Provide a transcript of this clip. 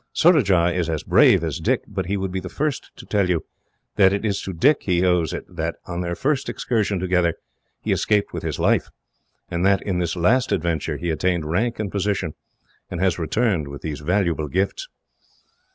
Surajah is as brave as Dick, but he would be the first to tell you that it is to Dick he owes it that, on their first excursion together, he escaped with his life; and that, in this last adventure, he attained rank and position, and has returned with these valuable gifts."